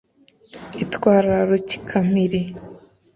Itwara Rukikampiri